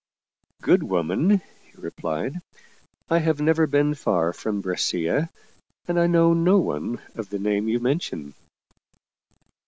" Good woman," he replied, " I have never been far from Brescia, and know no one of the name you mention."